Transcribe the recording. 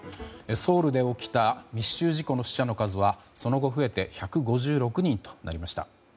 ソウルで起きた密集事故の死者の数はその後、増えて１５６人となりました。